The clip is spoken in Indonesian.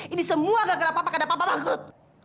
ini semua gak kena papa karena papa bangkrut